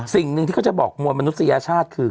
สิ่งหนึ่งที่เขาจะบอกมวลมนุษยชาติคือ